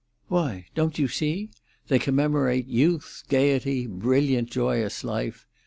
"Why, don't you see? They commemorate youth, gaiety, brilliant, joyous life.